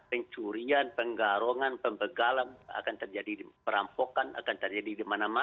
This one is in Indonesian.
pencurian penggarungan pembegalan akan terjadi perampokan akan terjadi di masyarakat